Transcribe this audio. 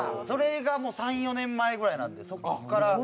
それがもう３４年前ぐらいなんでそこから。